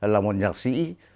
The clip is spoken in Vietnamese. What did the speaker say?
là một nhạc sĩ